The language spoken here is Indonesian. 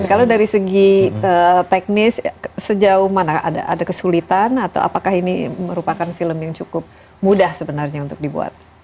kalau dari segi teknis sejauh mana ada kesulitan atau apakah ini merupakan film yang cukup mudah sebenarnya untuk dibuat